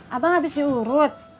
abang abis diurut